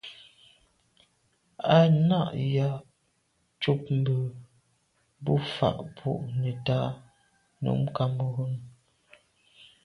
À nɑ̀’ yǎ cûp bú mbə̌ bū fâ’ bû nə̀tɑ́ nǔm Cameroun.